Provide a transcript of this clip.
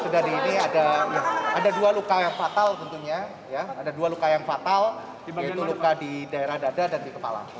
jadi ini ada dua luka yang fatal tentunya ada dua luka yang fatal yaitu luka di daerah dada dan di kepala